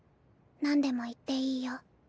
なんでも言っていいよ。